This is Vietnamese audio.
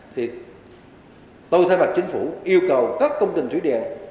thì tôi thay mặt chính phủ yêu cầu các công trình thủy điện